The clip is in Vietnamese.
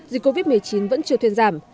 dịch covid một mươi chín vẫn chưa thuyền giảm